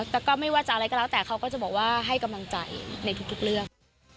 แต่ก็ไม่ว่าจะอะไรก็แล้วแต่เขาก็จะบอกว่าให้กำลังใจในทุกเรื่อง